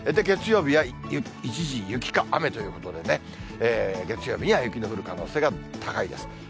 月曜日は一時雪か雨ということでね、月曜日には雪の降る可能性が高いです。